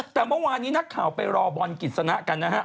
แต่เมื่อวานนี้นักข่าวไปรอบอลกิจสนะกันนะฮะ